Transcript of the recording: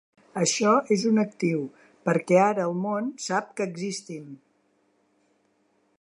Això és un actiu perquè ara el món sap que existim.